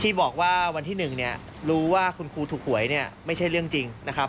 ที่บอกว่าวันที่๑เนี่ยรู้ว่าคุณครูถูกหวยเนี่ยไม่ใช่เรื่องจริงนะครับ